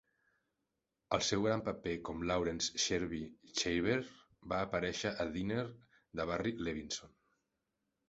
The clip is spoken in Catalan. El seu gran paper com Laurence "Shrevie" Schreiber va aparèixer a "Diner" de Barry Levinson.